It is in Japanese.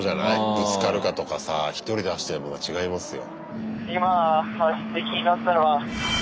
ぶつかるかとかさ１人で走ってるのと違いますよ。